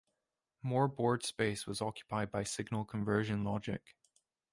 More board space was occupied by signal conversion logic.